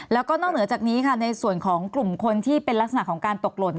แล้วก็นอกเหนือจากนี้ค่ะในส่วนของกลุ่มคนที่เป็นลักษณะของการตกหล่น